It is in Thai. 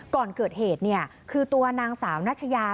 ก่อนเกิดเหตุเนี่ยคือตัวนางสาวนัชยา